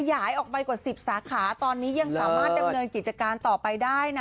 ยายออกไปกว่า๑๐สาขาตอนนี้ยังสามารถดำเนินกิจการต่อไปได้นะ